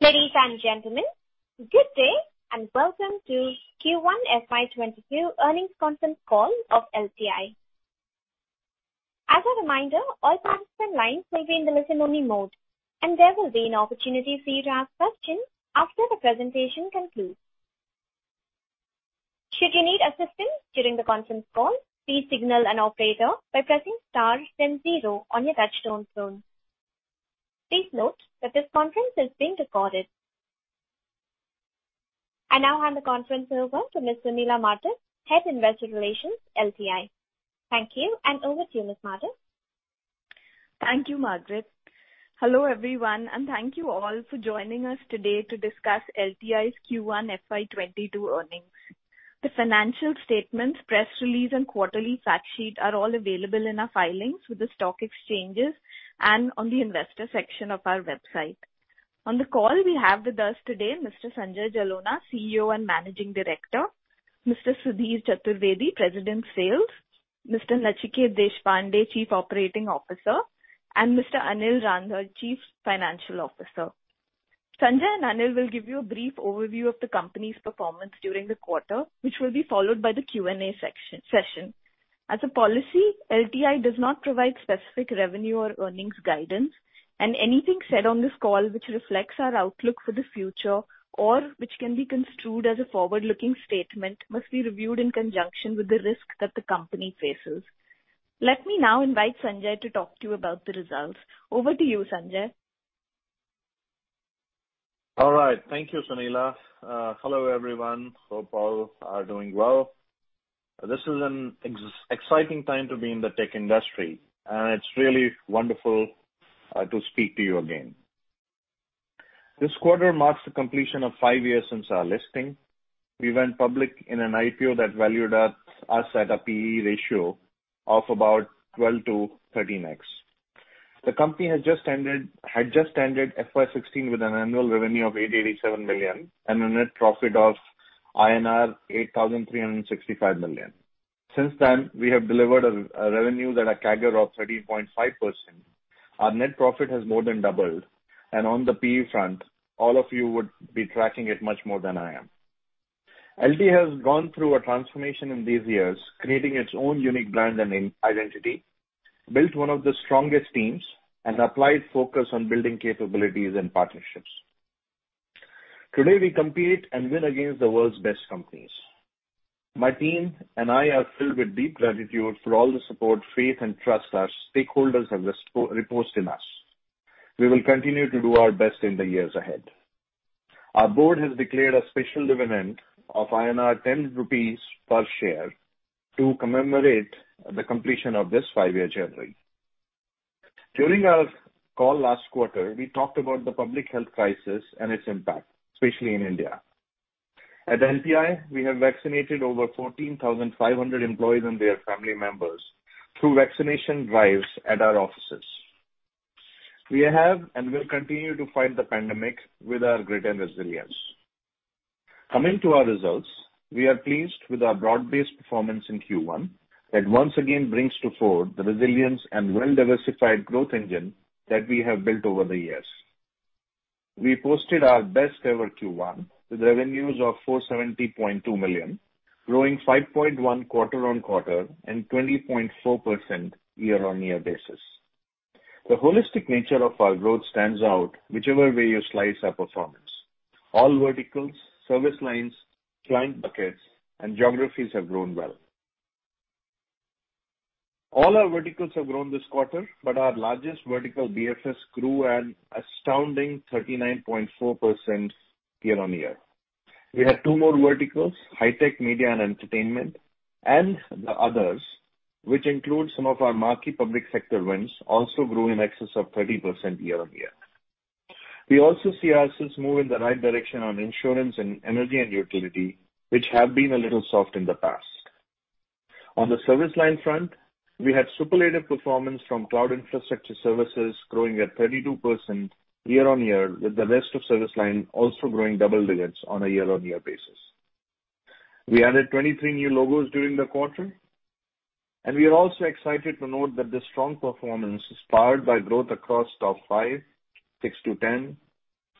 Ladies and gentlemen, good day, and welcome to Q1 FY 2022 earnings conference call of LTI. As a reminder, all participant lines will be in the listen only mode, and there will be an opportunity for you to ask questions after the presentation concludes. Should you need assistance during the conference call, please signal an operator by pressing star then zero on your touch-tone phone. Please note that this conference is being recorded. I now hand the conference over to Ms. Sunila Martis, Head of Investor Relations, LTI. Thank you, and over to you, Ms. Martis. Thank you, Margaret. Hello, everyone, and thank you all for joining us today to discuss LTI's Q1 FY 2022 earnings. The financial statements, press release, and quarterly fact sheet are all available in our filings with the stock exchanges and on the investor section of our website. On the call we have with us today Mr. Sanjay Jalona, CEO and Managing Director, Mr. Sudhir Chaturvedi, President, Sales, Mr. Nachiket Deshpande, Chief Operating Officer, and Mr. Anil Rander, Chief Financial Officer. Sanjay and Anil will give you a brief overview of the company's performance during the quarter, which will be followed by the Q&A session. As a policy, LTI does not provide specific revenue or earnings guidance, and anything said on this call which reflects our outlook for the future or which can be construed as a forward-looking statement must be reviewed in conjunction with the risk that the company faces. Let me now invite Sanjay to talk to you about the results. Over to you, Sanjay. All right. Thank you, Sunila. Hello, everyone. Hope all are doing well. This is an exciting time to be in the tech industry, and it's really wonderful to speak to you again. This quarter marks the completion of five years since our listing. We went public in an IPO that valued us at a P/E ratio of about 12x-13x. The company had just ended FY '16 with an annual revenue of 887 million and a net profit of INR 8,365 million. Since then, we have delivered a revenue at a CAGR of 13.5%. Our net profit has more than doubled, and on the P/E front, all of you would be tracking it much more than I am. LTI has gone through a transformation in these years, creating its own unique brand and identity, built one of the strongest teams, and applied focus on building capabilities and partnerships. Today, we compete and win against the world's best companies. My team and I are filled with deep gratitude for all the support, faith, and trust our stakeholders have reposed in us. We will continue to do our best in the years ahead. Our board has declared a special dividend of 10 rupees per share to commemorate the completion of this five-year journey. During our call last quarter, we talked about the public health crisis and its impact, especially in India. At LTI, we have vaccinated over 14,500 employees and their family members through vaccination drives at our offices. We have and will continue to fight the pandemic with our grit and resilience. Coming to our results, we are pleased with our broad-based performance in Q1 that once again brings to fore the resilience and well-diversified growth engine that we have built over the years. We posted our best-ever Q1 with revenues of $470.2 million, growing 5.1% quarter-on-quarter and 20.4% year-on-year basis. The holistic nature of our growth stands out whichever way you slice our performance. All verticals, service lines, client buckets, and geographies have grown well. All our verticals have grown this quarter, but our largest vertical, BFS, grew an astounding 39.4% year-on-year. We had two more verticals, High Tech Media and Entertainment, and the others, which include some of our marquee public sector wins, also grew in excess of 30% year-on-year. We also see ourselves move in the right direction on insurance and energy and utility, which have been a little soft in the past. On the service line front, we had superlative performance from cloud infrastructure services growing at 32% year-on-year, with the rest of service line also growing double digits on a year-on-year basis. We added 23 new logos during the quarter, and we are also excited to note that the strong performance is powered by growth across top 5, 6-10,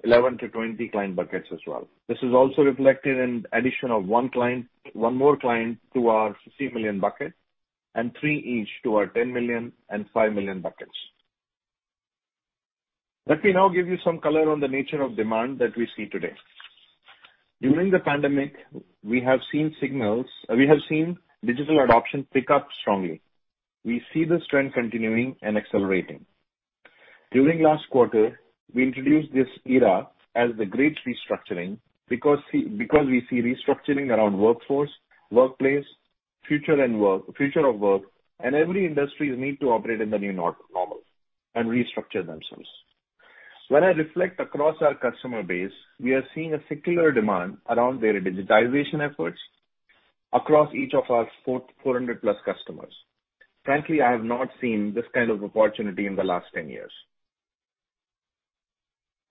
11-20 client buckets as well. This is also reflected in addition of one more client to our 60 million bucket and three each to our 10 million and 5 million buckets. Let me now give you some color on the nature of demand that we see today. During the pandemic, we have seen digital adoption pick up strongly. We see this trend continuing and accelerating. During last quarter, we introduced this era as the great restructuring because we see restructuring around workforce, workplace, future of work, and every industry need to operate in the new normal and restructure themselves. When I reflect across our customer base, we are seeing a secular demand around their digitalization efforts across each of our 400+ customers. Frankly, I have not seen this kind of opportunity in the last 10 years.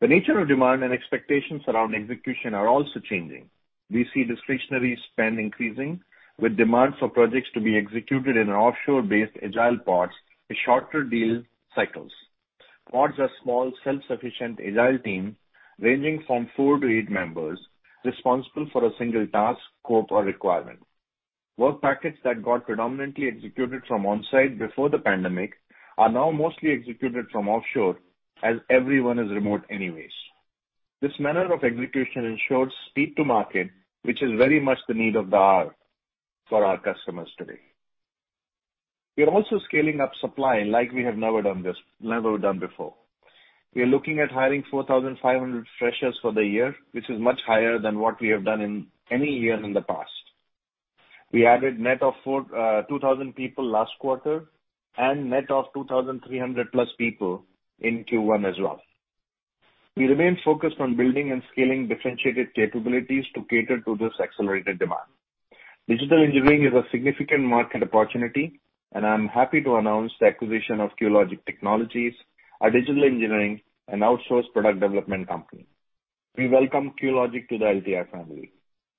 The nature of demand and expectations around execution are also changing. We see discretionary spend increasing with demand for projects to be executed in an offshore-based agile pods with shorter deal cycles. Pods are small, self-sufficient agile team ranging from four to eight members responsible for a single task, scope, or requirement. Work packets that got predominantly executed from on-site before the pandemic are now mostly executed from offshore as everyone is remote anyways. This manner of execution ensures speed to market, which is very much the need of the hour for our customers today. We are also scaling up supply like we have never done before. We are looking at hiring 4,500 freshers for the year, which is much higher than what we have done in any year in the past. We added net of 2,000 people last quarter and net of 2,300+ people in Q1 as well. We remain focused on building and scaling differentiated capabilities to cater to this accelerated demand. Digital engineering is a significant market opportunity, and I'm happy to announce the acquisition of Cuelogic Technologies, a digital engineering and outsource product development company. We welcome Cuelogic to the LTI family.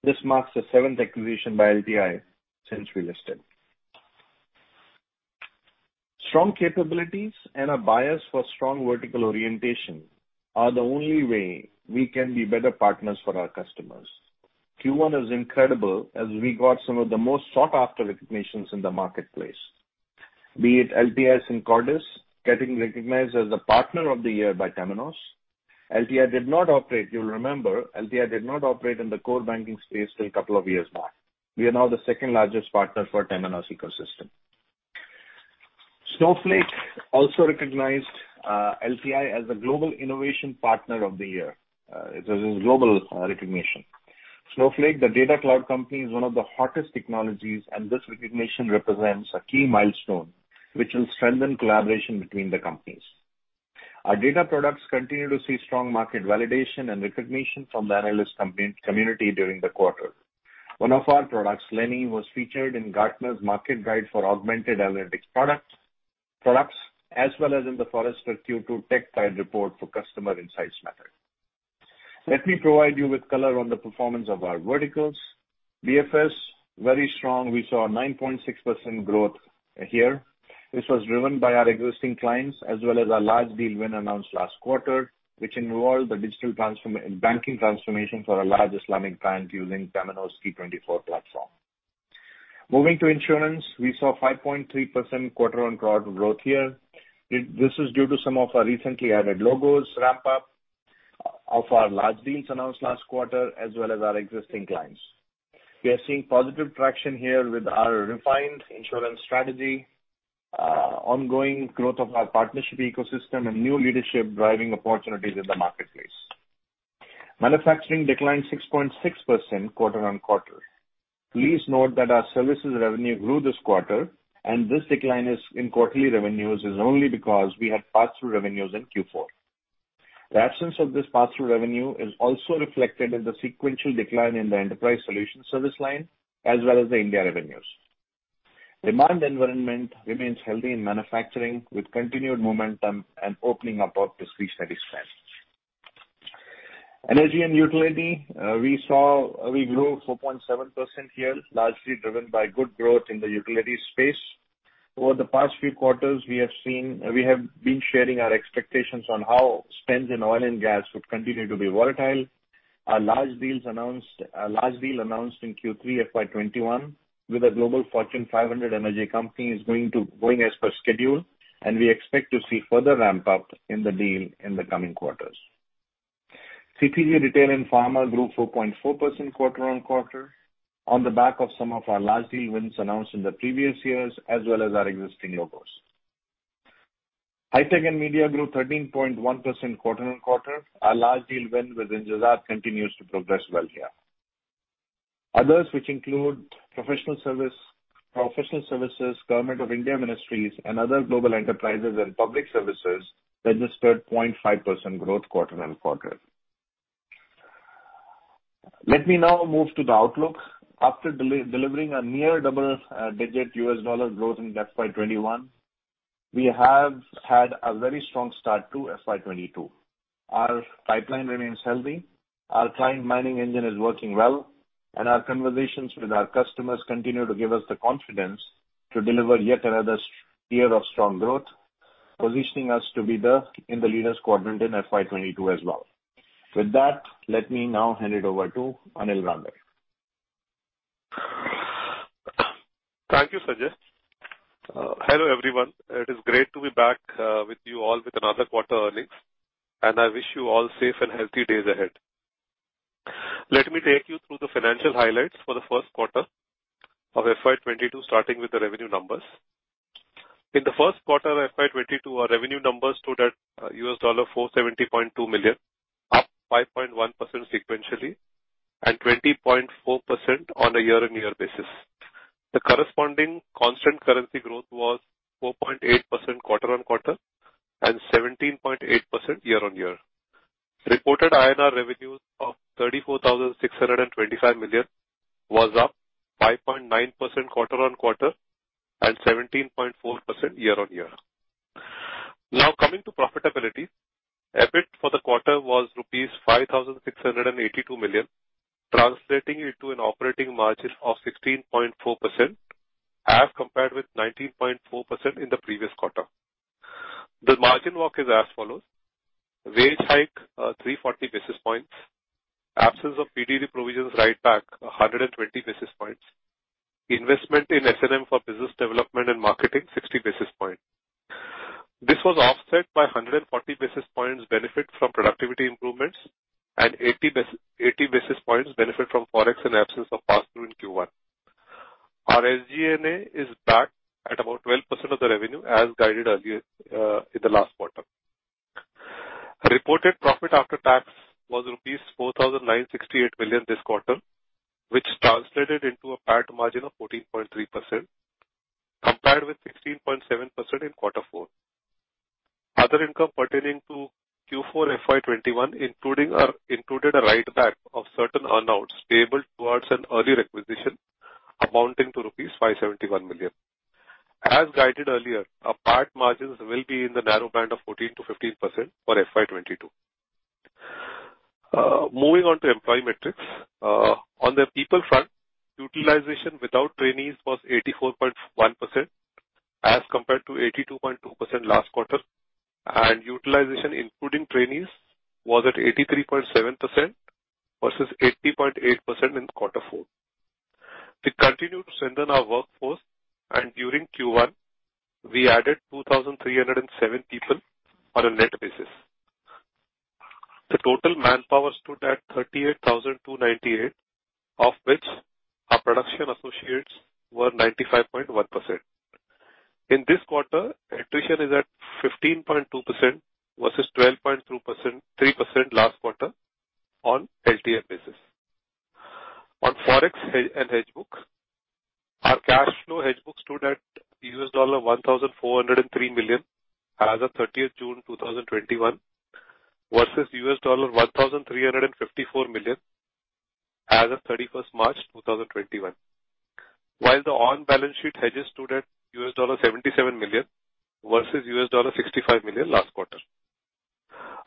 This marks the seventh acquisition by LTI since we listed. Strong capabilities and a bias for strong vertical orientation are the only way we can be better partners for our customers. Q1 is incredible as we got some of the most sought-after recognitions in the marketplace. Be it LTI Syncordis getting recognized as the Partner of the Year by Temenos. You'll remember, LTI did not operate in the core banking space till a couple of years back. We are now the second-largest partner for Temenos ecosystem. Snowflake also recognized LTI as the Global Innovation Partner of the Year. It was a global recognition. Snowflake, the data cloud company, is one of the hottest technologies, and this recognition represents a key milestone which will strengthen collaboration between the companies. Our data products continue to see strong market validation and recognition from the analyst community during the quarter. One of our products, Leni, was featured in Gartner's market guide for augmented analytics products as well as in the Forrester Q2 Tech Tide Report for customer insights method. Let me provide you with color on the performance of our verticals. BFS, very strong. We saw a 9.6% growth here. This was driven by our existing clients as well as our large deal win announced last quarter, which involved the digital banking transformation for a large Islamic bank using Temenos T24 platform. Moving to insurance, we saw 5.3% quarter-on-quarter growth here. This is due to some of our recently added logos ramp up of our large deals announced last quarter as well as our existing clients. We are seeing positive traction here with our refined insurance strategy, ongoing growth of our partnership ecosystem, and new leadership driving opportunities in the marketplace. Manufacturing declined 6.6% quarter-on-quarter. Please note that our services revenue grew this quarter, and this decline in quarterly revenues is only because we had passthrough revenues in Q4. The absence of this passthrough revenue is also reflected in the sequential decline in the enterprise solution service line as well as the India revenues. Demand environment remains healthy in manufacturing with continued momentum and opening up of discretionary spends. Energy and utility, we grew 4.7% here, largely driven by good growth in the utility space. Over the past few quarters, we have been sharing our expectations on how spends in oil and gas would continue to be volatile. A large deal announced in Q3 FY 2021 with a global Fortune 500 energy company is going as per schedule, and we expect to see further ramp-up in the deal in the coming quarters. CPG, retail, and pharma grew 4.4% quarter-on-quarter on the back of some of our large deal wins announced in the previous years as well as our existing logos. High tech and media grew 13.1% quarter-on-quarter. Our large deal win within Injazat continues to progress well here. Others which include professional services, government of India ministries, and other global enterprises and public services registered 0.5% growth quarter-on-quarter. Let me now move to the outlook. After delivering a near double-digit U.S. dollar growth in FY 2021, we have had a very strong start to FY 2022. Our pipeline remains healthy. Our client mining engine is working well, and our conversations with our customers continue to give us the confidence to deliver yet another year of strong growth, positioning us to be in the leaders quadrant in FY 2022 as well. With that, let me now hand it over to Anil Rander. Thank you, Sanjay. Hello, everyone. It is great to be back with you all with another quarter earnings, and I wish you all safe and healthy days ahead. Let me take you through the financial highlights for the first quarter of FY 2022, starting with the revenue numbers. In the first quarter of FY 2022, our revenue numbers stood at US$470.2 million, up 5.1% sequentially and 20.4% on a year-on-year basis. The corresponding constant currency growth was 4.8% quarter-on-quarter and 17.8% year-on-year. Reported INR revenues of 34,625 million was up 5.9% quarter-on-quarter and 17.4% year-on-year. Now coming to profitability. EBIT for the quarter was rupees 5,682 million, translating into an operating margin of 16.4%, as compared with 19.4% in the previous quarter. The margin walk is as follows. Wage hike, 340 basis points. Absence of PDD provisions write back, 120 basis points. Investment in S&M for business development and marketing, 60 basis points. This was offset by 140 basis points benefit from productivity improvements and 80 basis points benefit from ForEx and absence of pass-through in Q1. Our SG&A is back at about 12% of the revenue, as guided earlier in the last quarter. Reported profit after tax was rupees 4,968 million this quarter, which translated into a PAT margin of 14.3%, compared with 16.7% in quarter four. Other income pertaining to Q4 FY 2021 included a write-back of certain earnouts payable towards an earlier requisition amounting to rupees 571 million. As guided earlier, our PAT margins will be in the narrow band of 14%-15% for FY 2022. Moving on to employee metrics. On the people front, utilization without trainees was 84.1%, as compared to 82.2% last quarter, and utilization including trainees was at 83.7% versus 80.8% in quarter four. We continue to strengthen our workforce. During Q1, we added 2,307 people on a net basis. The total manpower stood at 38,298, of which our production associates were 95.1%. In this quarter, attrition is at 15.2% versus 12.3% last quarter on LTM basis. On ForEx and hedge book, our cash flow hedge book stood at $1,403 million as of 30th June 2021, versus $1,354 million as of 31st March 2021. While the on-balance sheet hedges stood at $77 million versus $65 million last quarter.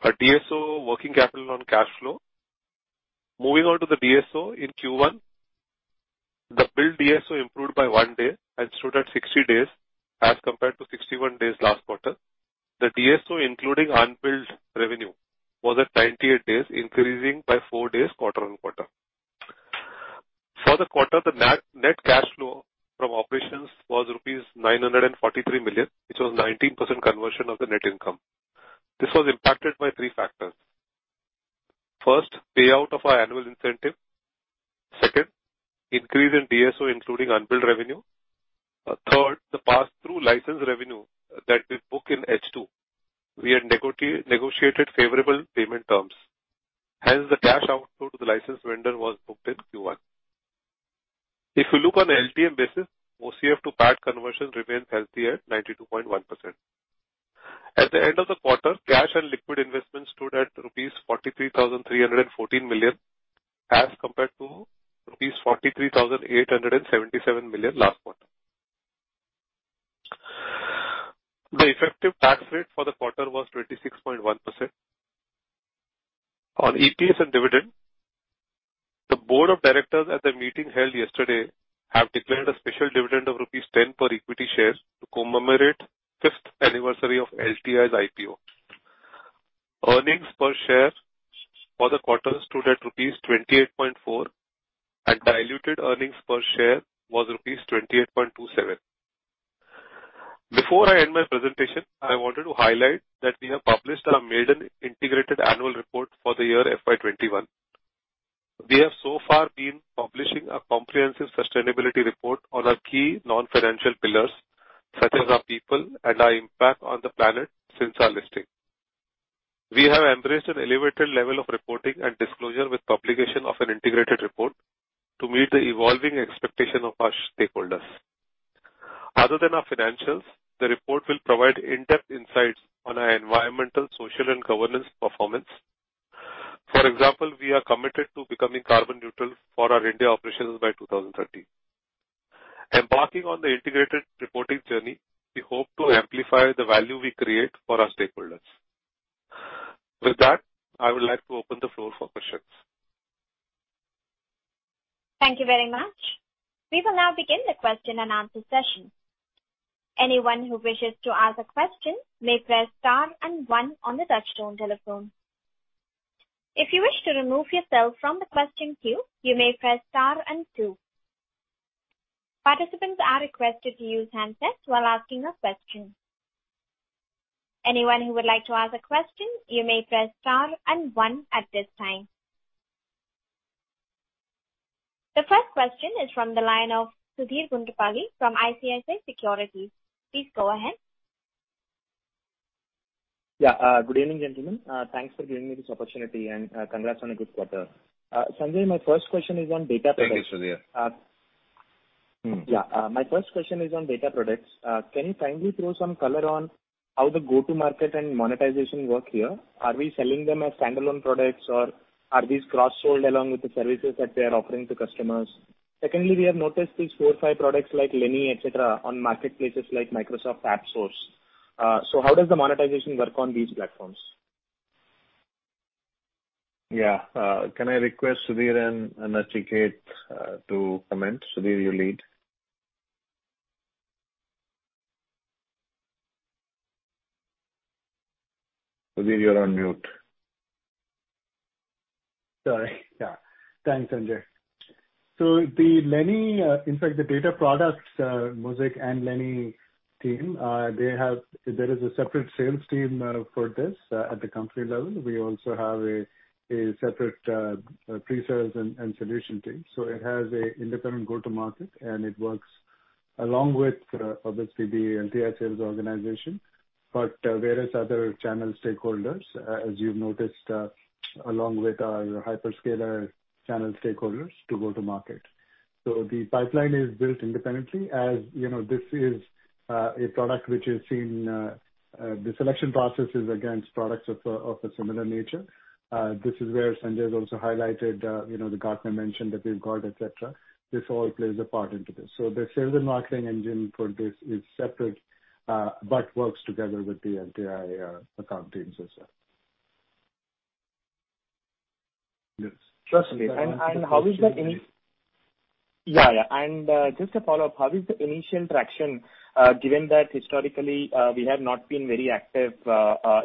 Our DSO working capital on cash flow. Moving on to the DSO in Q1. The bill DSO improved by one day and stood at 60 days as compared to 61 days last quarter. The DSO, including unbilled revenue, was at 98 days, increasing by four days quarter-on-quarter. For the quarter, the net cash flow from operations was rupees 943 million, which was 19% conversion of the net income. This was impacted by three factors. First, payout of our annual incentive. Second, increase in DSO including unbilled revenue. Third, the pass-through license revenue that we book in H2. We had negotiated favorable payment terms. Hence, the cash outflow to the license vendor was booked in Q1. If you look on an LTM basis, OCF to PAT conversion remains healthy at 92.1%. At the end of the quarter, cash and liquid investments stood at rupees 43,314 million as compared to rupees 43,877 million last quarter. The effective tax rate for the quarter was 26.1%. On EPS and dividend, the board of directors at the meeting held yesterday, have declared a special dividend of rupees 10 per equity share to commemorate fifth anniversary of LTI's IPO. Earnings per share for the quarter stood at rupees 28.4, and diluted earnings per share was rupees 28.27. Before I end my presentation, I wanted to highlight that we have published our maiden integrated annual report for the year FY 2021. We have so far been publishing a comprehensive sustainability report on our key non-financial pillars, such as our people and our impact on the planet, since our listing. We have embraced an elevated level of reporting and disclosure with publication of an integrated report to meet the evolving expectation of our stakeholders. Other than our financials, the report will provide in-depth insights on our environmental, social, and governance performance. For example, we are committed to becoming carbon neutral for our India operations by 2030. Embarking on the integrated reporting journey, we hope to amplify the value we create for our stakeholders. With that, I would like to open the floor for questions. Thank you very much. We will now begin the question-and-answer session. Anyone who wishes to ask a question may press star and one on the touchtone telephone. If you wish to remove yourself from the question queue, you may press star and two. Participants are requested to use handsets while asking a question. Anyone who would like to ask a question, you may press star and one at this time. The first question is from the line of Sudheer Guntupalli from ICICI Securities. Please go ahead. Yeah. Good evening, gentlemen. Thanks for giving me this opportunity, and congrats on a good quarter. Sanjay, my first question is on data products. Thank you, Sudhir. Yeah. My first question is on data products. Can you kindly throw some color on how the go-to market and monetization work here? Are we selling them as standalone products, or are these cross-sold along with the services that we are offering to customers? Secondly, we have noticed these four or five products like Leni, et cetera, on marketplaces like Microsoft AppSource. How does the monetization work on these platforms? Yeah. Can I request Sudhir and Nachiket to comment? Sudhir, you lead. Sudhir, you're on mute. Sorry. Yeah. Thanks, Sanjay. The Leni, in fact, the data products, Mosaic and Leni team, there is a separate sales team for this at the country level. We also have a separate pre-sales and solution team. It has an independent go-to-market, and it works along with, obviously, the LTI sales organization, but various other channel stakeholders, as you know, along with our hyperscaler channel stakeholders to go to market. The pipeline is built independently. As you know, this is a product which has seen the selection processes against products of a similar nature. This is where Sanjay has also highlighted the Gartner mention that we've got, et cetera. This all plays a part into this. The sales and marketing engine for this is separate, but works together with the LTI account teams as well. Yes. Got you. Just a follow-up, how is the initial traction, given that historically we have not been very active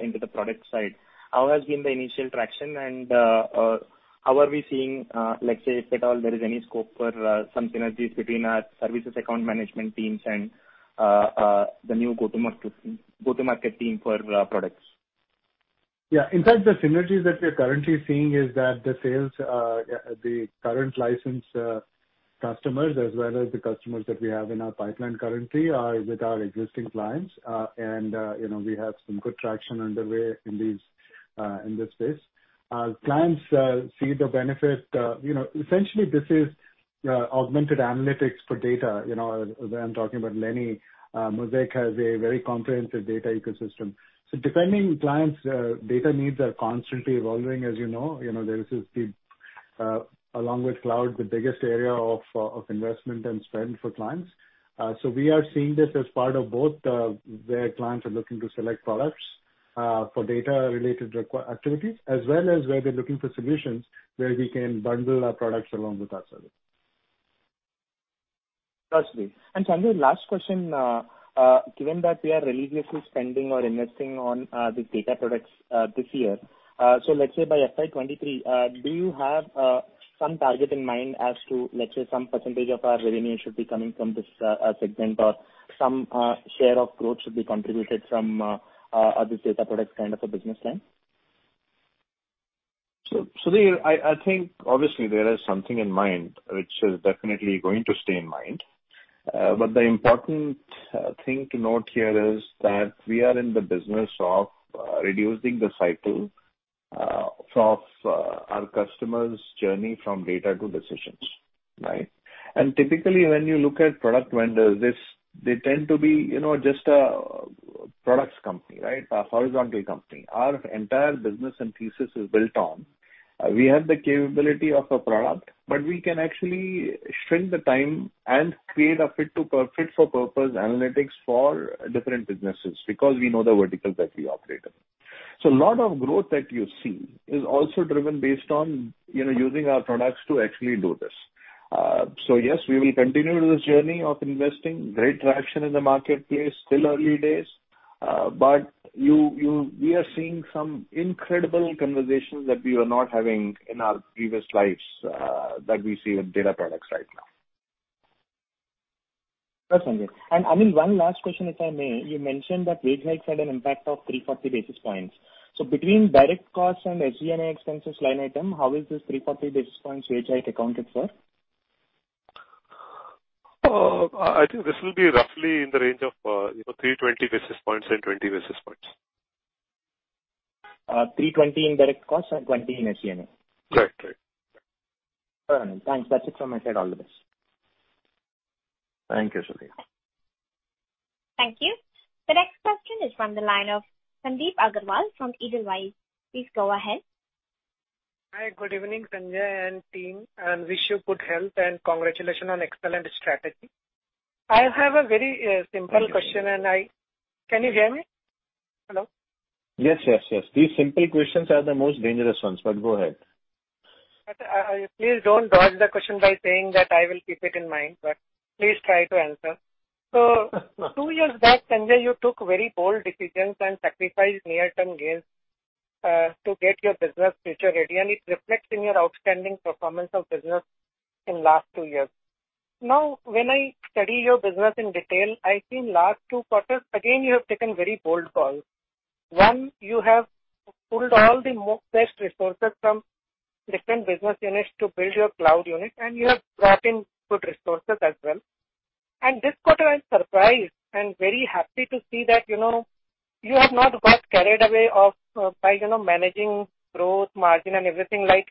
into the product side? How has been the initial traction and how are we seeing, let's say, if at all there is any scope for some synergies between our services account management teams and the new go-to-market team for products? In fact, the synergies that we're currently seeing is that the current licensed customers, as well as the customers that we have in our pipeline currently, are with our existing clients. We have some good traction underway in this space. Clients see the benefit. Essentially, this is augmented analytics for data. I'm talking about Leni. Mosaic has a very comprehensive data ecosystem. Clients' data needs are constantly evolving, as you know. This is along with cloud, the biggest area of investment and spend for clients. We are seeing this as part of both where clients are looking to select products for data-related activities as well as where they're looking for solutions where we can bundle our products along with our service. Got you. Sanjay, last question. Given that we are religiously spending or investing on these data products this year, so let's say by FY 2023, do you have some target in mind as to, let's say, some percentage of our revenue should be coming from this segment or some share of growth should be contributed from this data product kind of a business line? Sudhir, I think obviously there is something in mind which is definitely going to stay in mind. The important thing to note here is that we are in the business of reducing the cycle of our customers' journey from data to decisions, right? Typically, when you look at product vendors, they tend to be just a products company, right? A horizontal company. Our entire business and thesis is built on we have the capability of a product, but we can actually shrink the time and create a fit-for-purpose analytics for different businesses because we know the verticals that we operate in. A lot of growth that you see is also driven based on using our products to actually do this. Yes, we will continue this journey of investing. Great traction in the marketplace. Still early days. We are seeing some incredible conversations that we were not having in our previous lives that we see with data products right now. Got Sanjay. I mean, 1 last question, if I may. You mentioned that wage hike had an impact of three, four basis points. Between direct costs and SG&A expenses line item, how is this 3, 4 basis points wage hike accounted for? I think this will be roughly in the range of 3, 4 basis points and 20 basis points. 3, 4 in direct costs and 20 in SG&A. Correct. All right. Thanks. That's it from my side. All the best. Thank you, Sudhir. Thank you. The next question is from the line of Sandip Agarwal from Edelweiss. Please go ahead. Hi. Good evening, Sanjay and team, and wish you good health, and congratulations on excellent strategy. I have a very simple question. Can you hear me? Hello? Yes. These simple questions are the most dangerous ones, but go ahead. Please don't dodge the question by saying that I will keep it in mind, but please try to answer. Two years back, Sanjay, you took very bold decisions and sacrificed near-term gains to get your business future-ready, and it reflects in your outstanding performance of business in last two years. Now, when I study your business in detail, I think last two quarters, again, you have taken very bold calls. One, you have pulled all the best resources from different business units to build your cloud unit, you have brought in good resources as well. This quarter, I'm surprised and very happy to see that you have not got carried away by managing growth margin and everything like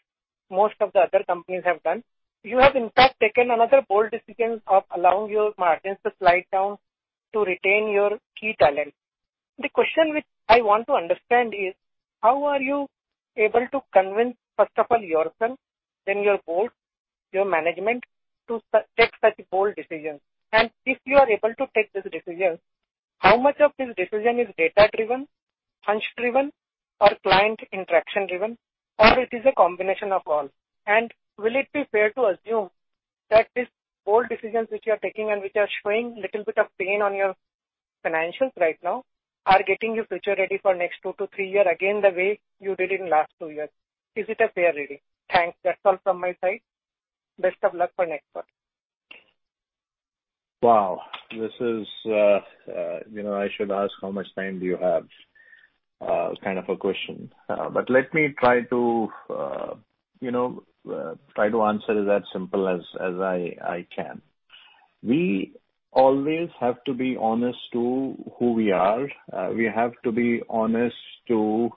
most of the other companies have done. You have, in fact, taken another bold decision of allowing your margins to slide down to retain your key talent. The question which I want to understand is, how are you able to convince, first of all yourself, then your board, your management, to take such bold decisions? If you are able to take this decision, how much of this decision is data-driven, hunch-driven, or client interaction-driven, or it is a combination of all? Will it be fair to assume that these bold decisions which you are taking and which are showing little bit of pain on your financials right now are getting your future ready for next two years-three years again, the way you did in last two years? Is it a fair reading? Thanks. That's all from my side. Best of luck for next quarter. Wow. I should ask how much time do you have kind of a question. Let me try to answer that simple as I can. We always have to be honest to who we are. We have to be honest to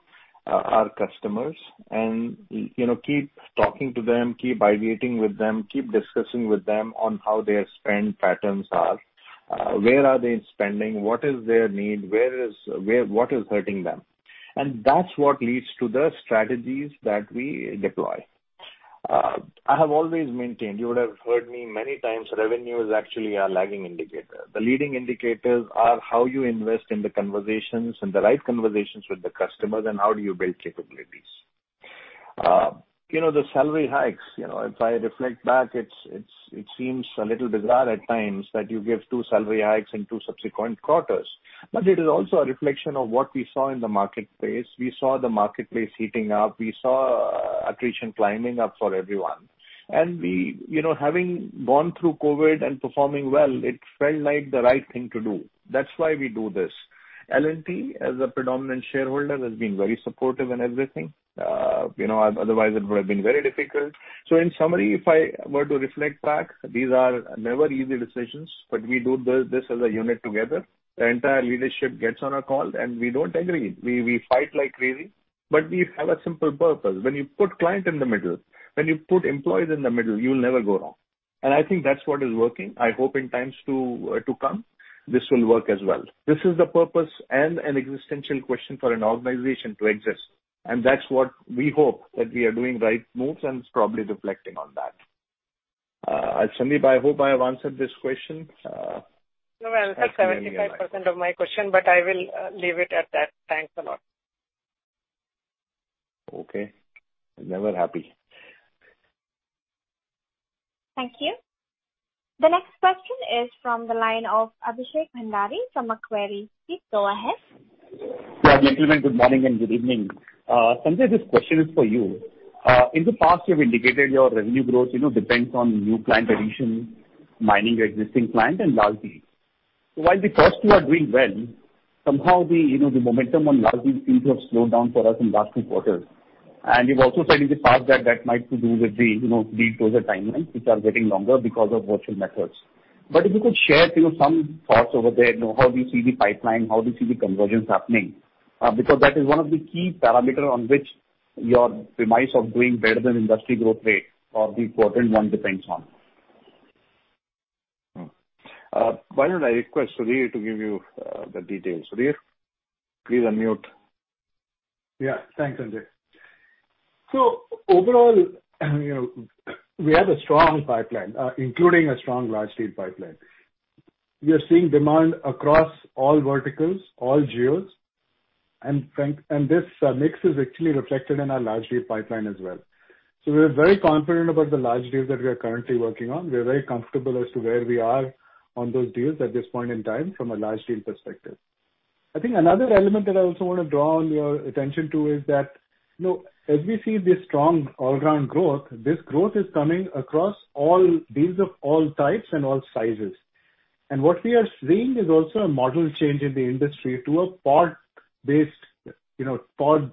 our customers and keep talking to them, keep ideating with them, keep discussing with them on how their spend patterns are, where are they spending, what is their need, what is hurting them. That's what leads to the strategies that we deploy. I have always maintained, you would have heard me many times, revenue is actually a lagging indicator. The leading indicators are how you invest in the conversations and the right conversations with the customers, and how do you build capabilities. The salary hikes, if I reflect back, it seems a little bizarre at times that you give two salary hikes in two subsequent quarters. It is also a reflection of what we saw in the marketplace. We saw the marketplace heating up. We saw attrition climbing up for everyone. We, having gone through COVID and performing well, it felt like the right thing to do. That's why we do this. L&T, as a predominant shareholder, has been very supportive in everything. Otherwise, it would have been very difficult. In summary, if I were to reflect back, these are never easy decisions, but we do this as a unit together. The entire leadership gets on a call, and we don't agree. We fight like crazy, but we have a simple purpose. When you put client in the middle, when you put employees in the middle, you'll never go wrong. I think that's what is working. I hope in times to come, this will work as well. This is the purpose and an existential question for an organization to exist. That's what we hope that we are doing right moves and is probably reflecting on that. Sandip, I hope I have answered this question. You answered 75% of my question, but I will leave it at that. Thanks a lot. Okay. Never happy. Thank you. The next question is from the line of Abhishek Bhandari from Macquarie. Please go ahead. Yeah. Gentlemen, good morning and good evening. Sanjay, this question is for you. In the past, you have indicated your revenue growth depends on new client addition, mining your existing client, and large deals. While the first two are doing well, somehow the momentum on large deals seems to have slowed down for us in last two quarters. You've also said in the past that that might to do with the deal closure timelines, which are getting longer because of virtual methods. If you could share some thoughts over there, how do you see the pipeline, how do you see the conversions happening? That is one of the key parameter on which your premise of doing better than industry growth rate for the quarter one depends on. Why don't I request Sudhir to give you the details. Sudhir, please unmute. Thanks, Sanjay. Overall, we have a strong pipeline, including a strong large deal pipeline. We are seeing demand across all verticals, all geos. This mix is actually reflected in our large deal pipeline as well. We are very confident about the large deals that we are currently working on. We are very comfortable as to where we are on those deals at this point in time from a large deal perspective. I think another element that I also want to draw on your attention to is that, as we see this strong all-around growth, this growth is coming across all deals of all types and all sizes. What we are seeing is also a model change in the industry to a pod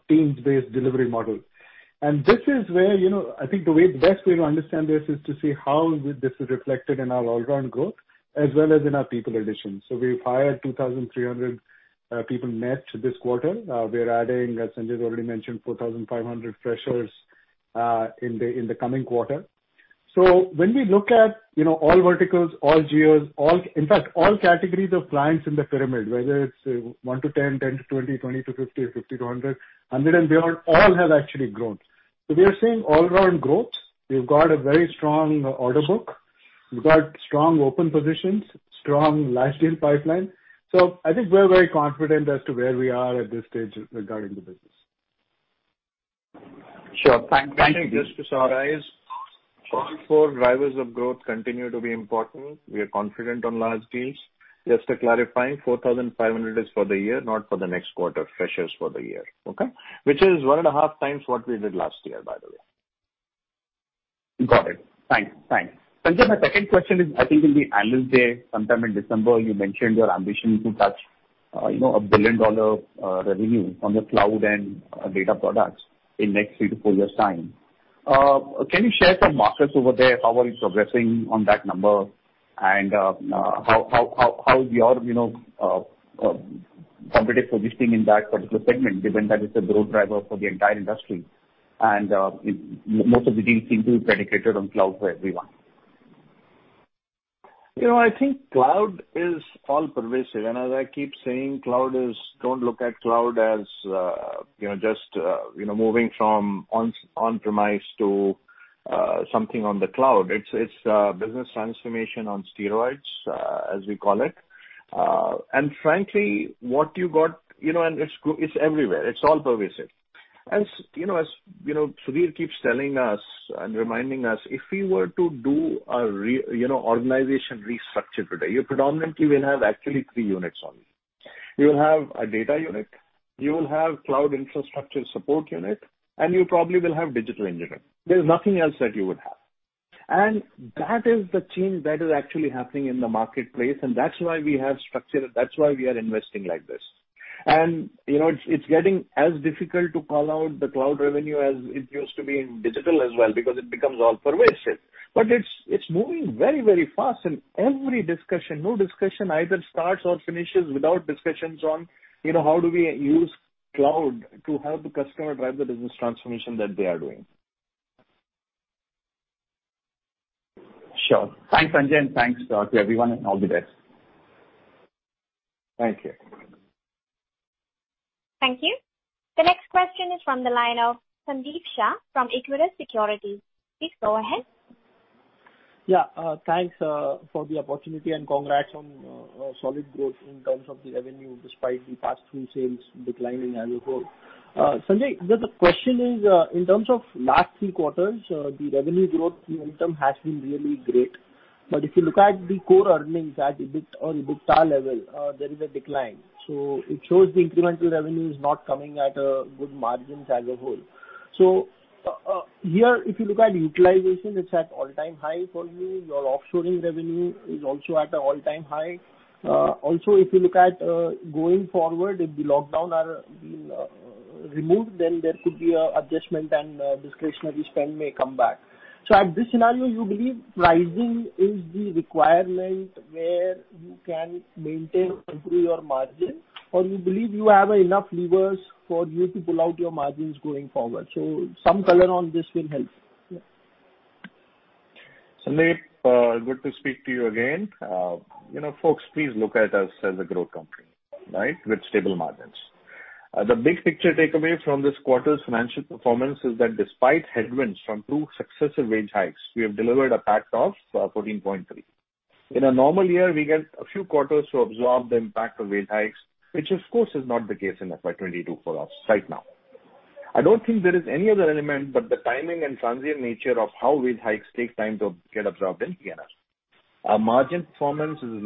teams-based delivery model. This is where I think the best way to understand this is to see how this is reflected in our all-around growth as well as in our people addition. We've hired 2,300 people net this quarter. We're adding, as Sanjay has already mentioned, 4,500 freshers in the coming quarter. When we look at all verticals, all geos, in fact, all categories of clients in the pyramid, whether it's one to 10 to 20 to 50 to 100 and beyond, all have actually grown. We are seeing all-around growth. We've got a very strong order book. We've got strong open positions, strong large deal pipeline. I think we're very confident as to where we are at this stage regarding the business. Sure. Thank you. Just to summarize, all four drivers of growth continue to be important. We are confident on large deals. Just to clarify, 4,500 is for the year, not for the next quarter. Freshers for the year. Okay? Which is one and a half times what we did last year, by the way. Got it. Thanks. Sanjay, my second question is, I think in the analyst day sometime in December, you mentioned your ambition to touch a billion-dollar revenue on the cloud and data products in next three to four years' time. Can you share some markers over there? How are you progressing on that number? How is your competitive positioning in that particular segment, given that it's a growth driver for the entire industry and most of the deals seem to be predicated on cloud for everyone? I think cloud is all-pervasive. As I keep saying, don't look at cloud as just moving from on-premise to something on the cloud. It's business transformation on steroids, as we call it. Frankly, it's everywhere. It's all-pervasive. As Sudhir keeps telling us and reminding us, if we were to do an organization restructure today, you predominantly will have actually three units only. You will have a data unit, you will have cloud infrastructure support unit, and you probably will have digital engineering. There's nothing else that you would have. That is the change that is actually happening in the marketplace, and that's why we have structured, that's why we are investing like this. It's getting as difficult to call out the cloud revenue as it used to be in digital as well because it becomes all-pervasive. It's moving very fast and every discussion, no discussion either starts or finishes without discussions on how do we use cloud to help the customer drive the business transformation that they are doing. Sure. Thanks, Sanjay, and thanks to everyone, and all the best. Thank you. Thank you. The next question is from the line of Sandip Shah from Equirus Securities. Please go ahead. Yeah, thanks for the opportunity and congrats on solid growth in terms of the revenue despite the pass-through sales declining as a whole. Sanjay, the question is, in terms of last three quarters, the revenue growth, the outcome has been really great. If you look at the core earnings at EBIT or EBITDA level, there is a decline. It shows the incremental revenue is not coming at good margins as a whole. Here, if you look at utilization, it's at all-time high for you. Your offshoring revenue is also at an all-time high. If you look at going forward, if the lockdown are being removed then there could be an adjustment and discretionary spend may come back. At this scenario, you believe pricing is the requirement where you can maintain or improve your margin? You believe you have enough levers for you to pull out your margins going forward? Some color on this will help. Yeah. Sandip Shah, good to speak to you again. Folks, please look at us as a growth company. Right? With stable margins. The big picture takeaway from this quarter's financial performance is that despite headwinds from two successive wage hikes, we have delivered a PAT of 14.3%. In a normal year, we get a few quarters to absorb the impact of wage hikes, which of course, is not the case in FY 2022 for us right now. I don't think there is any other element but the timing and transient nature of how wage hikes take time to get absorbed in P&L. Our margin performance is in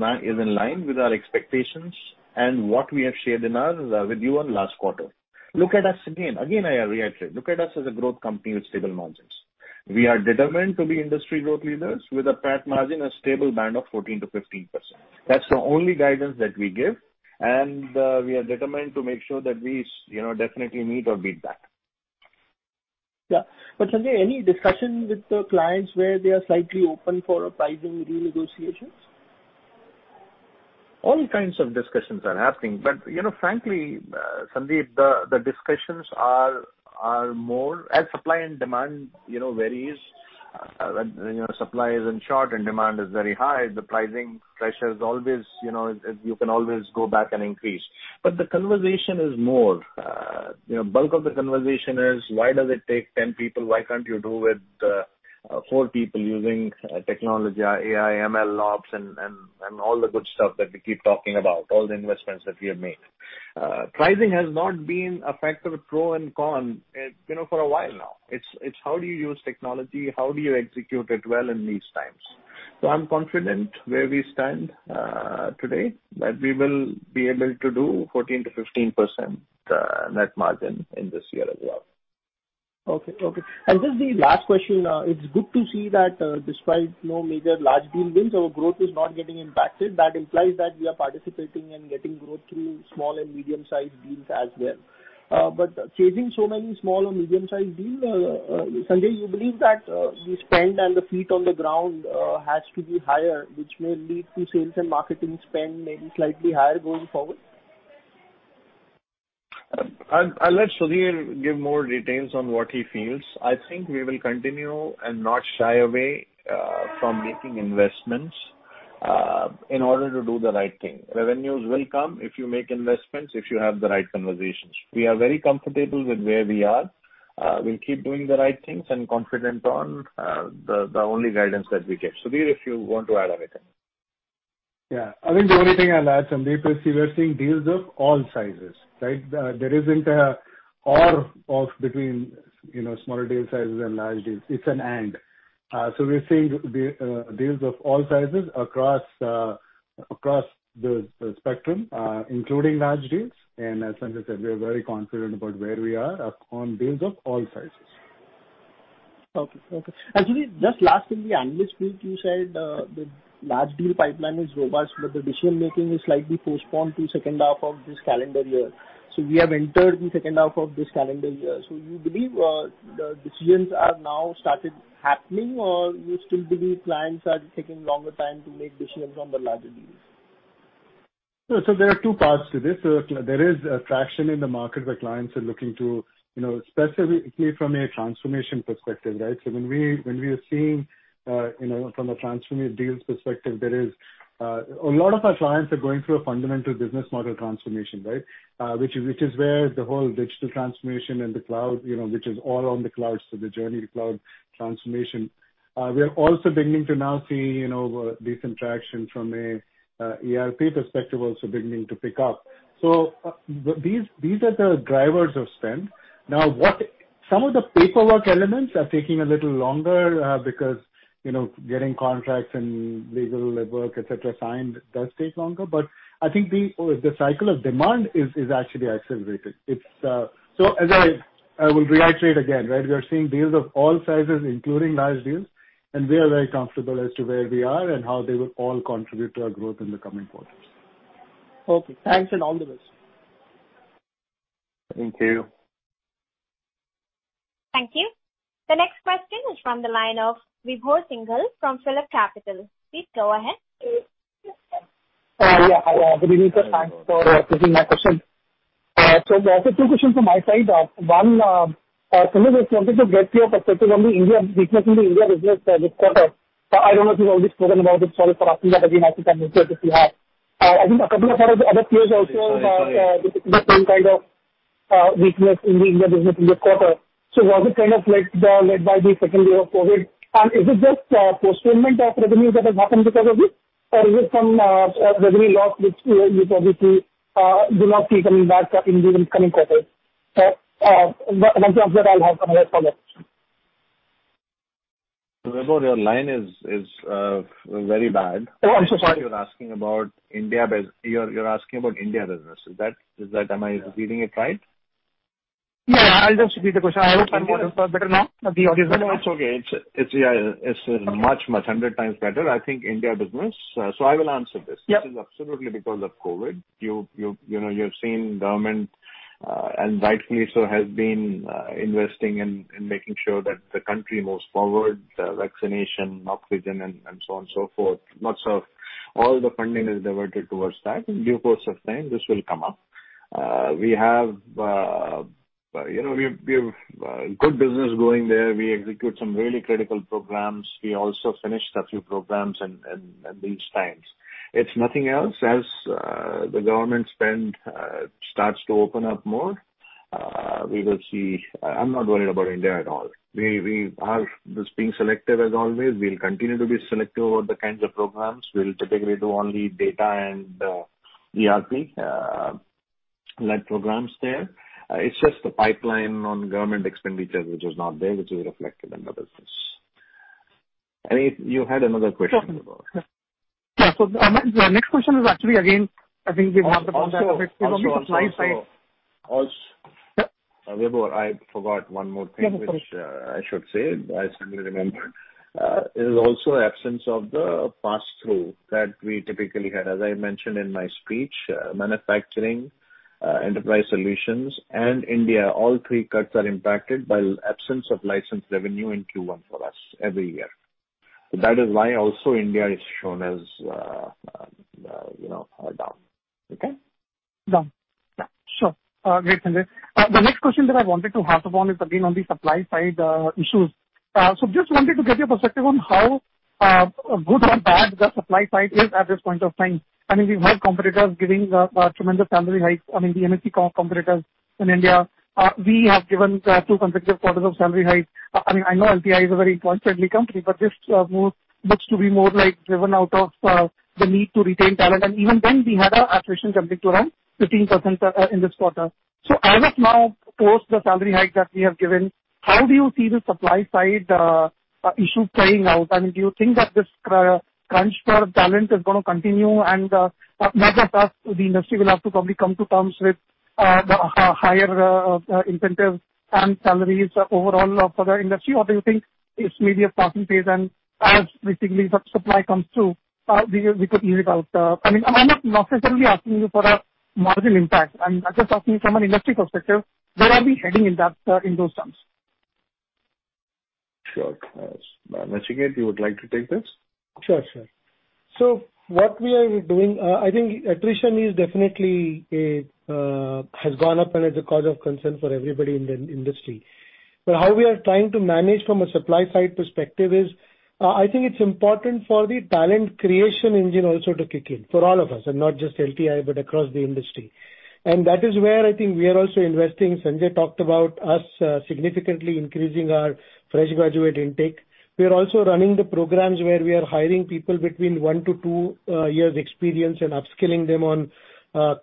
line with our expectations and what we have shared with you on last quarter. Again, I reiterate. Look at us as a growth company with stable margins. We are determined to be industry growth leaders with a PAT margin, a stable band of 14%-15%. That's the only guidance that we give. We are determined to make sure that we definitely meet or beat that. Yeah. Sanjay, any discussion with the clients where they are slightly open for a pricing renegotiation? All kinds of discussions are happening. Frankly, Sandip, the discussions are more as supply and demand varies, supply is in short and demand is very high. The pricing pressure is you can always go back and increase. The conversation is more. Bulk of the conversation is why does it take 10 people? Why can't you do with four people using technology, AI, ML, AIOps, and all the good stuff that we keep talking about, all the investments that we have made. Pricing has not been a factor of pro and con for a while now. It's how do you use technology, how do you execute it well in these times. I'm confident where we stand today that we will be able to do 14%-15% net margin in this year as well. Okay. Just the last question. It's good to see that despite no major large deal wins, our growth is not getting impacted. That implies that we are participating and getting growth through small and medium-sized deals as well. Chasing so many small or medium-sized deals, Sanjay, you believe that the spend and the feet on the ground has to be higher, which may lead to sales and marketing spend maybe slightly higher going forward? I'll let Sudhir give more details on what he feels. I think we will continue and not shy away from making investments in order to do the right thing. Revenues will come if you make investments, if you have the right conversations. We are very comfortable with where we are. We'll keep doing the right things and confident on the only guidance that we give. Sudhir, if you want to add anything. Yeah. I think the only thing I'll add, Sandip, is we are seeing deals of all sizes, right? There isn't an or of between smaller deal sizes and large deals. It's an and. We're seeing deals of all sizes across the spectrum, including large deals. As Sanjay said, we are very confident about where we are on deals of all sizes. Okay. Sudhir, just last in the analyst meet you said the large deal pipeline is robust but the decision-making is slightly postponed to second half of this calendar year. We have entered the second half of this calendar year. You believe the decisions are now started happening or you still believe clients are taking longer time to make decisions on the larger deals? There are two parts to this. There is a traction in the market where clients are looking to, specifically from a transformation perspective, right? When we are seeing from a transformative deals perspective, a lot of our clients are going through a fundamental business model transformation. Which is where the whole digital transformation and the cloud, which is all on the cloud, so the journey to cloud transformation. We are also beginning to now see decent traction from a ERP perspective, also beginning to pick up. These are the drivers of spend. Now, some of the paperwork elements are taking a little longer, because getting contracts and legal labor, et cetera, signed does take longer. I think the cycle of demand is actually accelerated. As I will reiterate again, we are seeing deals of all sizes, including large deals, and we are very comfortable as to where we are and how they will all contribute to our growth in the coming quarters. Okay. Thanks, and all the best. Thank you. Thank you. The next question is from the line of Vibhor Singhal from PhillipCapital. Please go ahead. Yeah. Good evening, sir. Thanks for taking my question. Also two questions from my side. One, Sanjay, just wanted to get your perspective on the weakness in the India business this quarter. I don't know if you've already spoken about this. Sorry for asking that again. I think I'm used to it if you have. I think a couple of our other peers also- Sorry had the same kind of weakness in the India business this quarter. Was it kind of led by the second wave of COVID, and is it just postponement of revenues that has happened because of it? Is it some revenue loss, which you obviously do not see coming back up in the incoming quarter? Once you answer that, I'll have another follow-up question. Vibhor, your line is very bad. Oh, I'm so sorry. I think you're asking about India business. Am I receiving it right? No, I'll just repeat the question. I hope I'm better now. It's okay. It's much 100 times better. I think India business. I will answer this. Yep. This is absolutely because of COVID. You've seen government, and rightly so, has been investing in making sure that the country moves forward, vaccination, oxygen, and so on and so forth. Much of all the funding is diverted towards that. In due course of time, this will come up. We have good business going there. We execute some really critical programs. We also finished a few programs at these times. It's nothing else. As the government spend starts to open up more, we will see. I'm not worried about India at all. We are just being selective as always. We'll continue to be selective over the kinds of programs. We'll typically do only data and ERP-led programs there. It's just the pipeline on government expenditures which is not there, which is reflected in the business. You had another question. Sure. Yeah. The next question is actually, again, I think we've talked about that. Also- From the supply side. Vibhor, I forgot one more thing. Yeah, sure. which I should say. I suddenly remembered. It is also absence of the passthrough that we typically had. As I mentioned in my speech, manufacturing, enterprise solutions, and India, all three cuts are impacted by absence of license revenue in Q1 for us every year. That is why also India is shown as down. Okay? Down. Yeah. Sure. Great, Sanjay. The next question that I wanted to ask upon is again on the supply side issues. Just wanted to get your perspective on how good or bad the supply side is at this point of time. I mean, we've had competitors giving tremendous salary hikes. I mean, the NSE competitors in India. We have given two consecutive quarters of salary hikes. I know LTI is a very employee-friendly company, but this looks to be more driven out of the need to retain talent. Even then we had our attrition jumping to around 15% in this quarter. As of now, post the salary hike that we have given, how do you see the supply side issue playing out? Do you think that this crunch for talent is going to continue and not just us, the industry will have to probably come to terms with the higher incentives and salaries overall for the industry? Do you think it's maybe a passing phase and as basically the supply comes through, we could ease it out? I'm not necessarily asking you for a margin impact. I'm just asking you from an industry perspective, where are we heading in those terms? Sure. Manish, again, you would like to take this? Sure, sir. What we are doing, I think attrition has gone up and is a cause of concern for everybody in the industry. How we are trying to manage from a supply side perspective is, I think it's important for the talent creation engine also to kick in for all of us, and not just LTI, but across the industry. That is where I think we are also investing. Sanjay talked about us significantly increasing our fresh graduate intake. We are also running the programs where we are hiring people between one to two years experience and upskilling them on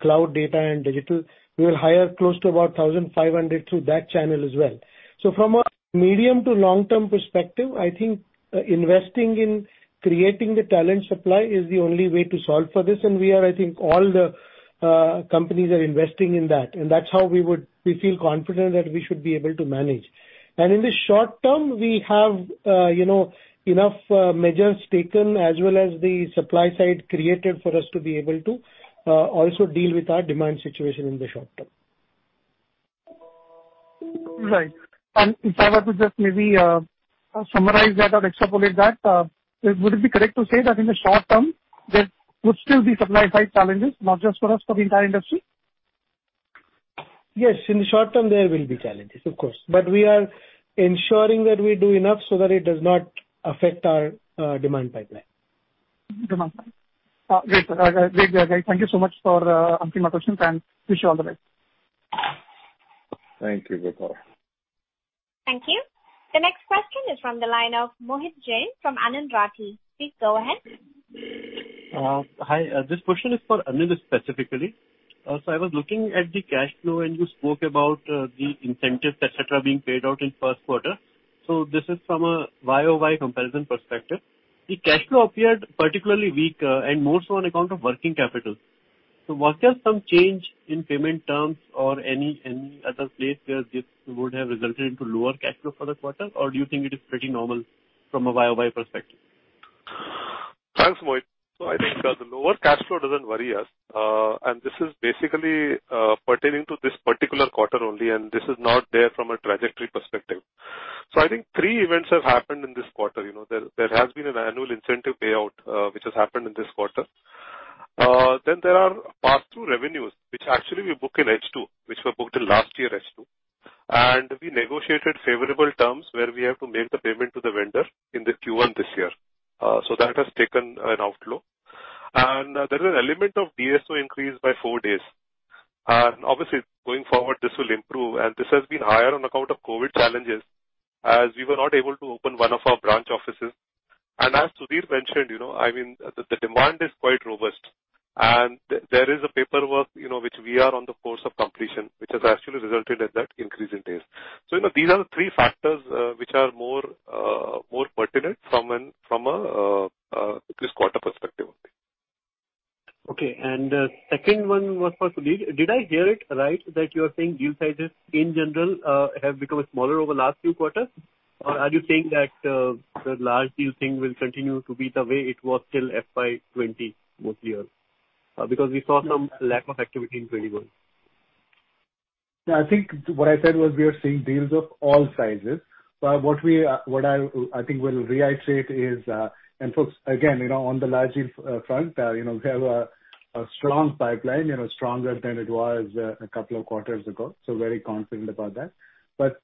cloud data and digital. We will hire close to about 1,500 through that channel as well. From a medium to long-term perspective, I think investing in creating the talent supply is the only way to solve for this, and we are, I think all the companies are investing in that, and that's how we feel confident that we should be able to manage. In the short-term, we have enough measures taken as well as the supply side created for us to be able to also deal with our demand situation in the short-term. Right. If I have to just maybe summarize that or extrapolate that, would it be correct to say that in the short term, there could still be supply-side challenges, not just for us, for the entire industry? Yes, in the short term, there will be challenges, of course, but we are ensuring that we do enough so that it does not affect our demand pipeline. Demand pipeline. Great, sir. Thank you so much for answering my questions, and wish you all the best. Thank you, Vibhor. Thank you. The next question is from the line of Mohit Jain from Anand Rathi. Please go ahead. Hi. This question is for Anil specifically. I was looking at the cash flow, and you spoke about the incentives, et cetera, being paid out in first quarter. This is from a Y-o-Y comparison perspective. The cash flow appeared particularly weak and more so on account of working capital. Was there some change in payment terms or any other place where this would have resulted into lower cash flow for the quarter? Do you think it is pretty normal from a Y-o-Y perspective? Thanks, Mohit. I think the lower cash flow doesn't worry us. This is basically pertaining to this particular quarter only, and this is not there from a trajectory perspective. I think three events have happened in this quarter. There has been an annual incentive payout, which has happened in this quarter. There are pass-through revenues, which actually we book in H2, which were booked in last year H2. We negotiated favorable terms where we have to make the payment to the vendor in the Q1 this year. That has taken an outflow. There is an element of DSO increase by four days. Obviously, going forward, this will improve. This has been higher on account of COVID challenges as we were not able to open one of our branch offices. As Sudhir mentioned, the demand is quite robust and there is paperwork which we are on the course of completion, which has actually resulted in that increase in days. These are the three factors which are more pertinent from a this quarter perspective only. Okay. Second one was for Sudhir. Did I hear it right that you are saying deal sizes in general have become smaller over last few quarters? Are you saying that the large deal thing will continue to be the way it was till FY 2020 most years? We saw some lack of activity in 2021. No, I think what I said was we are seeing deals of all sizes. What I think we'll reiterate is, and folks, again, on the large deal front, we have a strong pipeline, stronger than it was a couple of quarters ago, so very confident about that.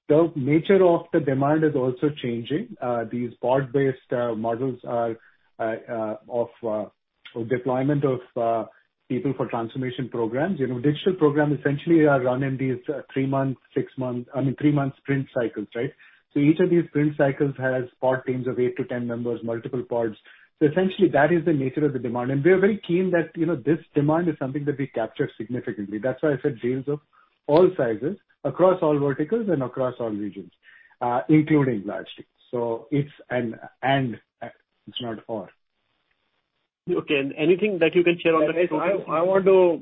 The nature of the demand is also changing. These pod-based models are of deployment of people for transformation programs. Digital program essentially are run in these three months sprint cycles, right? Each of these sprint cycles has pod teams of eight to 10 members, multiple pods. Essentially, that is the nature of the demand. We are very keen that this demand is something that we capture significantly. That's why I said deals of all sizes across all verticals and across all regions, including large deals. It's and, it's not or. Okay. Anything that you can share on that?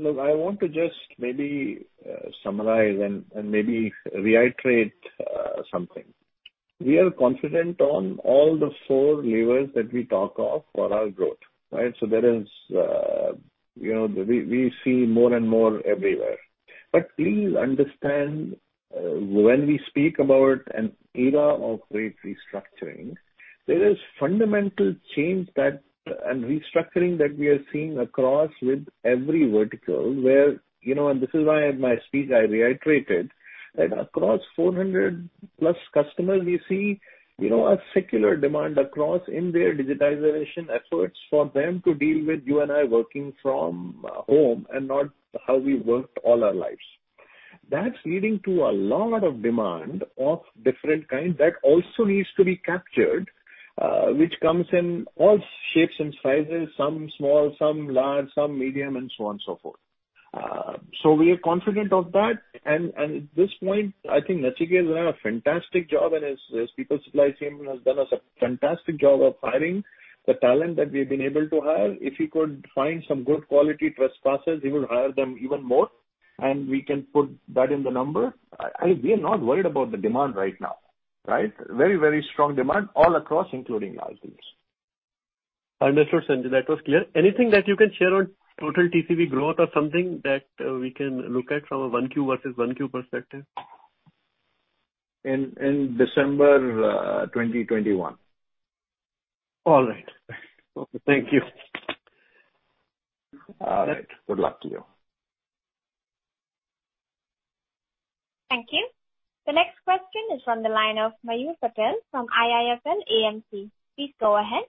I want to just maybe summarize and maybe reiterate something. We are confident on all the four levers that we talk of for our growth. Right? We see more and more everywhere. Please understand, when we speak about an era of great restructuring, there is fundamental change and restructuring that we are seeing across with every vertical where, and this is why in my speech I reiterated that across 400+ customers, we see a secular demand across in their digitization efforts for them to deal with you and I working from home and not how we worked all our lives. That's leading to a lot of demand of different kind that also needs to be captured, which comes in all shapes and sizes, some small, some large, some medium, and so on and so forth. We are confident of that. At this point, I think Nachiket has done a fantastic job and his people supply team has done us a fantastic job of hiring the talent that we've been able to hire. If he could find some good quality trespassers, he will hire them even more, and we can put that in the number. We are not worried about the demand right now. Right? Very strong demand all across, including large deals. That's what Sanjay, that was clear. Anything that you can share on total TCV growth or something that we can look at from a 1Q versus 1Q perspective? In December 2021. All right. Thank you. All right. Good luck to you. Thank you. The next question is from the line of Mayur Patel from IIFL AMC. Please go ahead.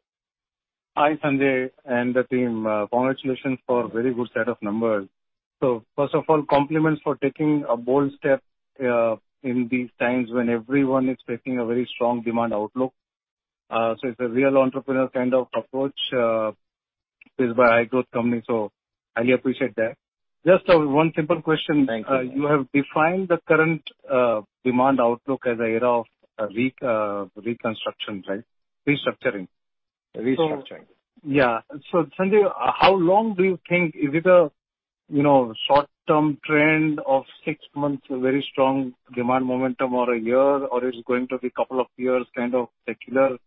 Hi, Sanjay and the team. Congratulations for a very good set of numbers. First of all, compliments for taking a bold step in these times when everyone is taking a very strong demand outlook. It's a real entrepreneurial kind of approach. It is by a high-growth company, so highly appreciate that. Just one simple question. Thank you. You have defined the current demand outlook as an era of reconstruction, right? Restructuring. Restructuring. Yeah. Sanjay, how long do you think, is it a short-term trend of six months, a very strong demand momentum or a year, or it's going to be couple of years kind of secular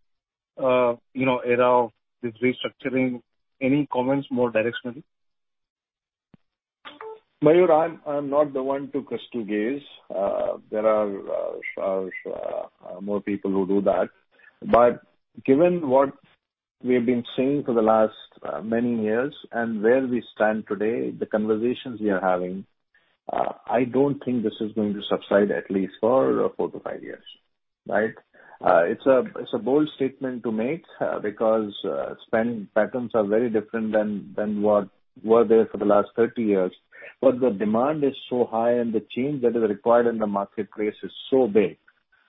era of this restructuring? Any comments more directionally? Mayur, I'm not the one to crystal gaze. There are more people who do that. Given what we have been seeing for the last many years and where we stand today, the conversations we are having, I don't think this is going to subside at least for four to five years, right? It's a bold statement to make because spend patterns are very different than what were there for the last 30 years. The demand is so high and the change that is required in the marketplace is so big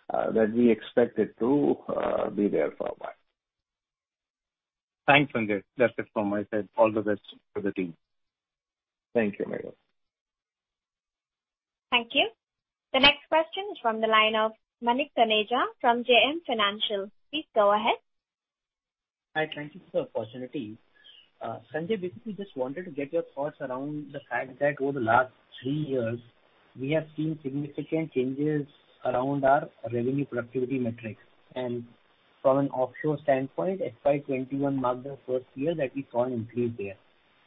that we expect it to be there for a while. Thanks, Sanjay. That's it from my side. All the best to the team. Thank you, Mayur. Thank you. The next question is from the line of Manik Taneja from JM Financial. Please go ahead. Hi. Thank you for the opportunity. Sanjay, basically just wanted to get your thoughts around the fact that over the last three years we have seen significant changes around our revenue productivity metrics. From an offshore standpoint, FY 2021 marked the first year that we saw an increase there.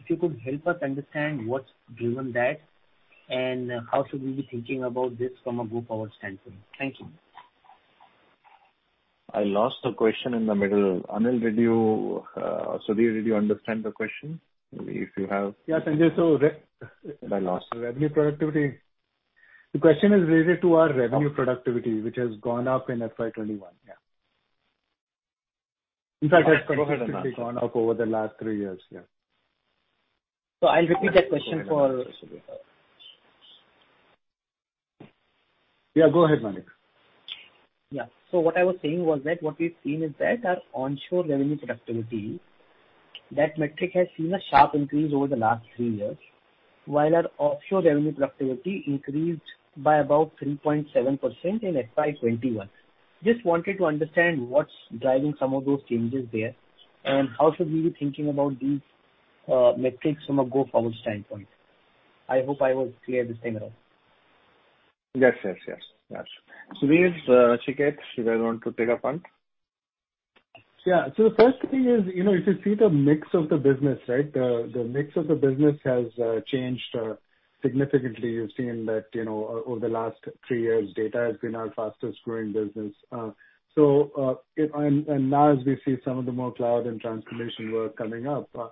If you could help us understand what's driven that and how should we be thinking about this from a go-forward standpoint. Thank you. I lost the question in the middle. Sudhir, did you understand the question? Yeah, Sanjay. I lost it. Revenue productivity. The question is related to our revenue productivity, which has gone up in FY 2021. Yeah. In fact, it's significantly gone up over the last three years. Yeah. I'll repeat that question for Sudhir. Yeah, go ahead, Manik. Yeah. What I was saying was that what we've seen is that our onshore revenue productivity, that metric has seen a sharp increase over the last three years, while our offshore revenue productivity increased by about 3.7% in FY 2021. Just wanted to understand what's driving some of those changes there and how should we be thinking about these metrics from a go-forward standpoint. I hope I was clear this time around. Yes. Sudhir, Nachiket Deshpande, do you guys want to take up on it? The first thing is, if you see the mix of the business, right, the mix of the business has changed significantly. You've seen that over the last three years data has been our fastest growing business. Now as we see some of the more cloud and transformation work coming up. I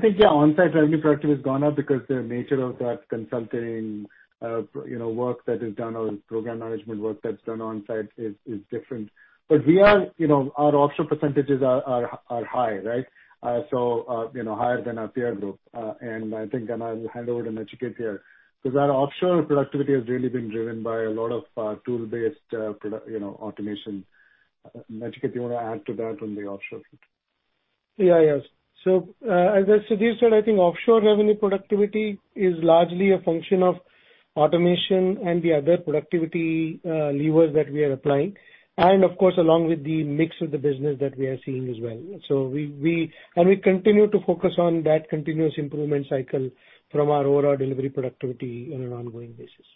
think, yeah, onsite revenue productivity has gone up because the nature of that consulting work that is done or program management work that's done onsite is different. Our offshore percentages are high, right? Higher than our peer group. I think, and I will hand over to Nachiket Deshpande here, because our offshore productivity has really been driven by a lot of tool-based automation. Nachiket Deshpande, do you want to add to that on the offshore front? As Sudhir said, I think offshore revenue productivity is largely a function of automation and the other productivity levers that we are applying. Of course, along with the mix of the business that we are seeing as well. We continue to focus on that continuous improvement cycle from our overall delivery productivity on an ongoing basis.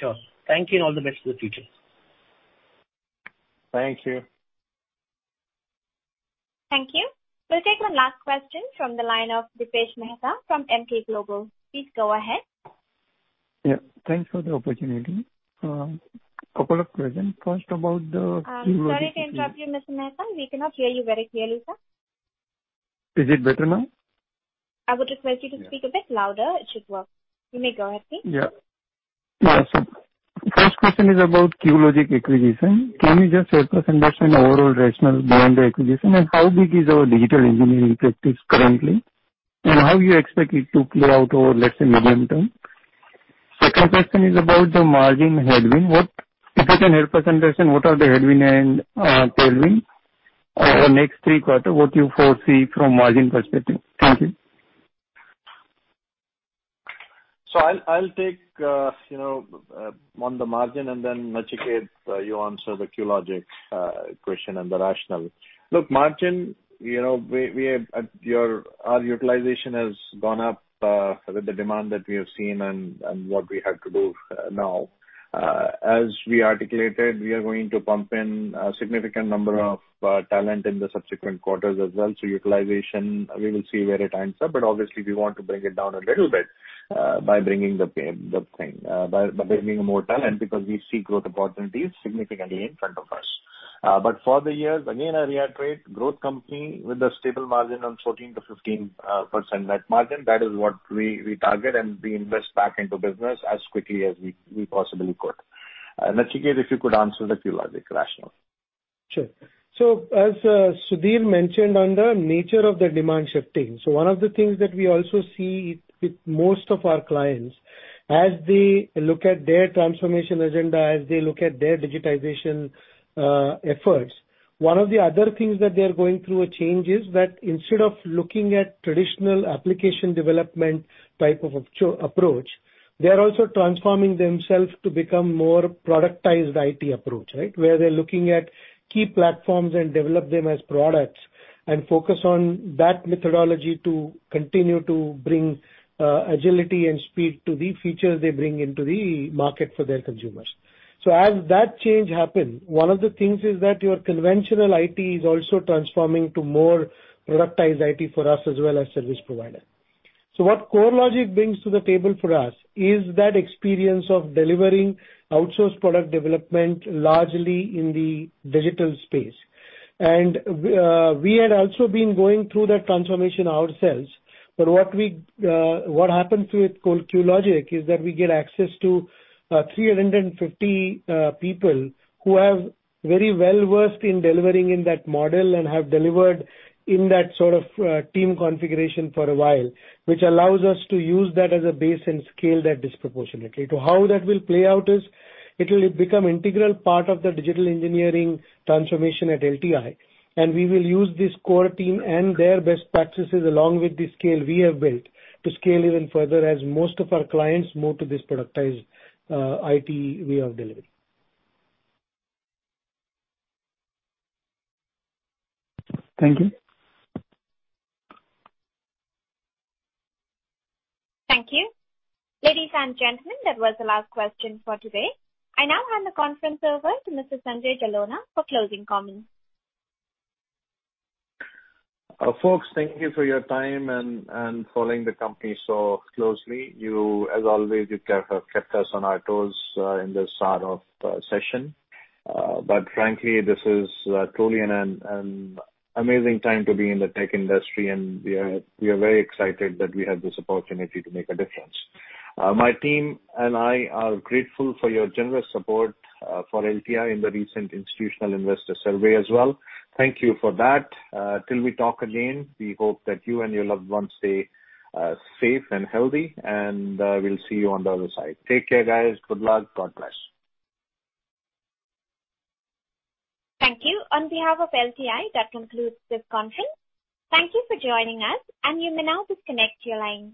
Sure. Thank you and all the best for the future. Thank you. Thank you. We'll take the last question from the line of Dipesh Mehta from Emkay Global. Please go ahead. Yeah. Thanks for the opportunity. A couple of questions. First, about. I'm sorry to interrupt you, Mr. Mehta. We cannot hear you very clearly, sir. Is it better now? I would request you to speak a bit louder. It should work. You may go ahead, please. Yeah. First question is about Cuelogic acquisition. Can you just help us understand the overall rationale behind the acquisition and how big is your digital engineering practice currently? How you expect it to play out over, let's say, medium-term. Second question is about the margin headwind. If you can help us understand what are the headwind and tailwind over the next three quarters, what you foresee from margin perspective. Thank you. I'll take on the margin and then, Nachiket, you answer the Cuelogic question and the rationale. Margin, our utilization has gone up with the demand that we have seen and what we have to do now. As we articulated, we are going to pump in a significant number of talent in the subsequent quarters as well. Utilization, we will see where it ends up, but obviously we want to bring it down a little bit by bringing more talent because we see growth opportunities significantly in front of us. For the years, again, I reiterate, growth company with a stable margin on 14%-15% net margin. That is what we target, and we invest back into business as quickly as we possibly could. Nachiket, if you could answer the Cuelogic rationale. Sure. As Sudhir mentioned on the nature of the demand shifting. One of the things that we also see with most of our clients, as they look at their transformation agenda, as they look at their digitization efforts, one of the other things that they're going through a change is that instead of looking at traditional application development type of approach, they are also transforming themselves to become more productized IT approach, right? Where they're looking at key platforms and develop them as products and focus on that methodology to continue to bring agility and speed to the features they bring into the market for their consumers. As that change happened, one of the things is that your conventional IT is also transforming to more productized IT for us as well as service provider. What Cuelogic brings to the table for us is that experience of delivering outsourced product development largely in the digital space. We had also been going through that transformation ourselves. What happens with Cuelogic is that we get access to 350 people who have very well versed in delivering in that model and have delivered in that sort of team configuration for a while, which allows us to use that as a base and scale that disproportionately. How that will play out is it will become integral part of the digital engineering transformation at LTI, and we will use this core team and their best practices along with the scale we have built to scale even further as most of our clients move to this productized IT way of delivery. Thank you. Thank you. Ladies and gentlemen, that was the last question for today. I now hand the conference over to Mr. Sanjay Jalona for closing comments. Folks, thank you for your time and following the company so closely. You, as always, kept us on our toes in this sort of session. Frankly, this is truly an amazing time to be in the tech industry, and we are very excited that we have this opportunity to make a difference. My team and I are grateful for your generous support for LTI in the recent Institutional Investor survey as well. Thank you for that. Till we talk again, we hope that you and your loved ones stay safe and healthy, and we'll see you on the other side. Take care, guys. Good luck. God bless. Thank you. On behalf of LTI, that concludes this conference. Thank you for joining us, and you may now disconnect your line.